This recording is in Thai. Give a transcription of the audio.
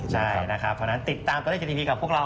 ติดตามก็ได้ที่จีนทีพีกับพวกเรา